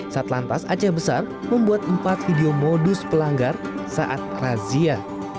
satlantas aceh besar membuat empat video modus pelanggar saat razia